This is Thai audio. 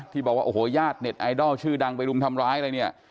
บอกว่าโอ้โหญาติเน็ตไอดอลชื่อดังไปรุมทำร้ายอะไรเนี่ย